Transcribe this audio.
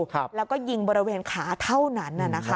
แล้วก็ยิงบริเวณขาเท่านั้น